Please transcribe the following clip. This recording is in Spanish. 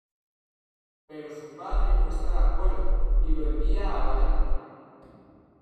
Pero su padre no está de acuerdo, y lo envía a la guerra.